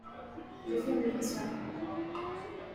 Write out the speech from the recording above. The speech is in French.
J'ai fait une dépression.